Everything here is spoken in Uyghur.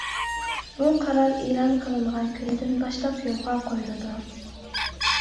بۇ قارار ئېلان قىلىنغان كۈنىدىن باشلاپ يولغا قويۇلىدۇ.